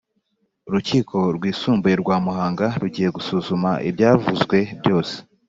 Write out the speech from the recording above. Urukiko rwisumbuye rwa Muhanga rugiye gusuzuma ibyavuzwe byose